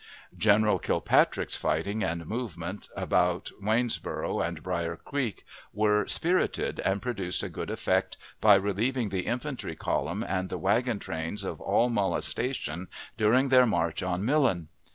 General Kilpatrick's fighting and movements about Waynesboro' and Brier Creek were spirited, and produced a good effect by relieving the infantry column and the wagon trains of all molestation during their march on Millen.